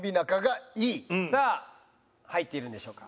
さあ入っているんでしょうか？